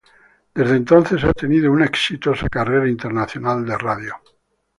Desde entonces ha tenido una exitosa carrera internacional de radio.